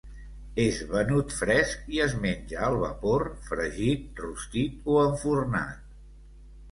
És venut fresc i es menja al vapor, fregit, rostit o enfornat.